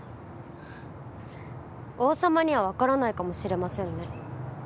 王様にはわからないかもしれませんね